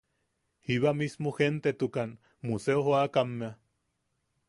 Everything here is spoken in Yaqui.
Jiba misma gentetukan Museo joakamea.